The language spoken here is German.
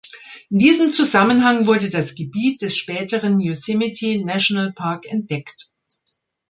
In diesem Zusammenhang wurde das Gebiet des späteren Yosemite-Nationalpark entdeckt.